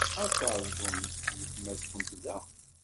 Ad teṛjumt weltma-twent da.